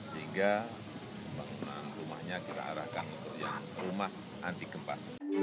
sehingga pembangunan rumahnya kita arahkan untuk yang rumah anti gempa